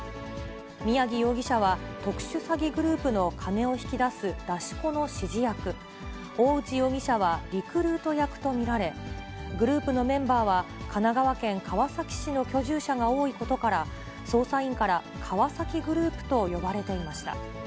宮城容疑者は、特殊詐欺グループの金を引き出す、出し子の指示役、大内容疑者はリクルート役と見られ、グループのメンバーは神奈川県川崎市の居住者が多いことから、捜査員から川崎グループと呼ばれていました。